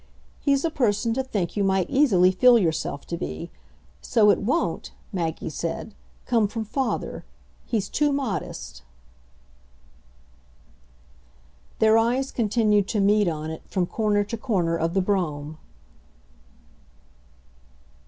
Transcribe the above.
He's a person to think you might easily feel yourself to be. So it won't," Maggie said, "come from father. He's too modest." Their eyes continued to meet on it, from corner to corner of the brougham.